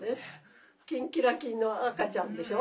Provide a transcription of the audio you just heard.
キンキラキンの赤ちゃんでしょ？